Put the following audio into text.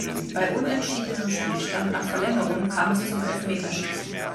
Bei unentschiedenem Spielstand nach Verlängerung kam es zum Elfmeterschießen.